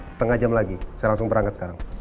setengah jam lagi saya langsung berangkat sekarang